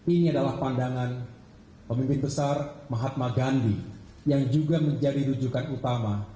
ini adalah pandangan pemimpin besar mahatma gandhi yang juga menjadi rujukan utama